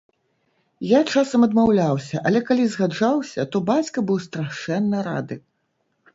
Я часам адмаўляўся, але калі згаджаўся, то бацька быў страшэнна рады.